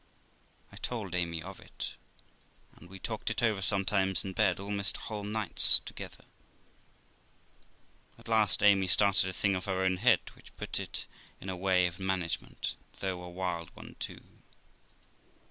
I told Amy of it, and we talked it over sometimes in bed, almost whole nights together. At last Amy started a thing of her own head, which put it in a way of management, though a wild one too.